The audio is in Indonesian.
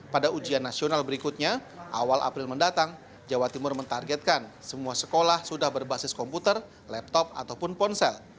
pada ujian nasional berikutnya awal april mendatang jawa timur mentargetkan semua sekolah sudah berbasis komputer laptop ataupun ponsel